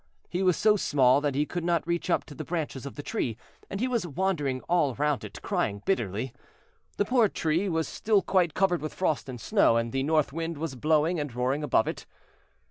He was so small that he could not reach up to the branches of the tree, and he was wandering all round it, crying bitterly. The poor tree was still quite covered with frost and snow, and the North Wind was blowing and roaring above it.